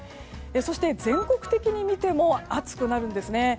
そして、全国的に見ても暑くなるんですね。